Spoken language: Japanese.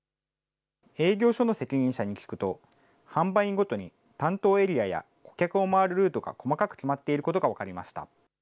営業所の責任者に聞くと、販売員ごとに担当エリアや顧客を回るルートが細かく決まっていることが分かりました。